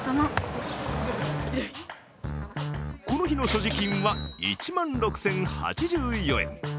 この日の所持金は１万６０８４円。